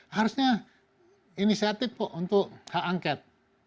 harusnya inisiatif kok untuk hak angket